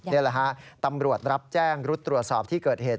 นี่แหละฮะตำรวจรับแจ้งรุดตรวจสอบที่เกิดเหตุ